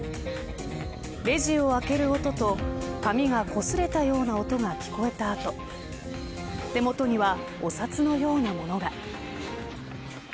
レジを開ける音と紙がこすれたような音が聞こえた後手元には、お札のようなものが。